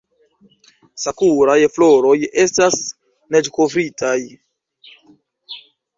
Sakuraj floroj estas neĝkovritaj!